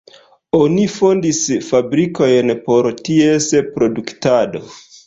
Oni fondis fabrikojn por ties produktado.